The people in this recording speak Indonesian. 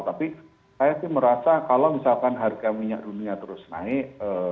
tapi saya sih merasa kalau misalkan harga minyak dunia terus naik